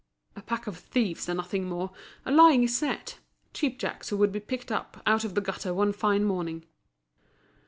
A pack of thieves and nothing more! A lying set! Cheap jacks who would be picked up out of the gutter one fine morning!